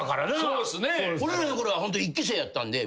俺らのころは１期生やったんで。